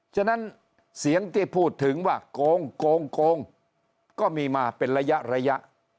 ฉะนั้นเสียงที่พูดถึงว่าโกงโกงก็มีมาเป็นระยะระยะ